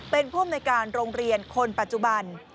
เป็นผู้อำนวยการโรงเรียนคนปัจจุบัน